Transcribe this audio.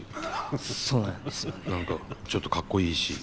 ちょっとかっこいいし。